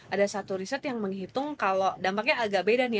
ada satu riset yang menghitung kalau dampaknya agak beda nih